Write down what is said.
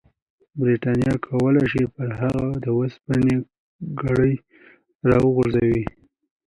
برټانیه کولای شي پر هغه د اوسپنې کړۍ راوګرځوي.